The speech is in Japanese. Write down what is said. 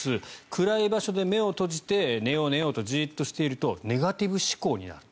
暗い場所で目を閉じて寝よう、寝ようとじっとしているとネガティブ思考になる。